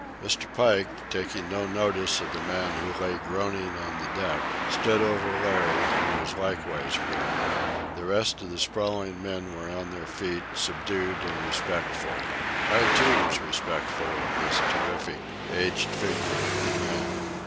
Mr. Pike, taking no notice of the man who lay groaning on the deck, stood over Larry, who was likewise groaning. The rest of the sprawling men were on their feet, subdued and respectful. I, too, was respectful of this terrific, aged figure of a man.